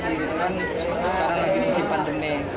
sekarang lagi disimpan demik